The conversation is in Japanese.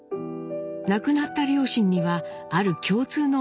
亡くなった両親にはある共通の思いがあったといいます。